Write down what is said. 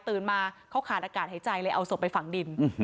มาเขาขาดอากาศหายใจเลยเอาศพไปฝังดิน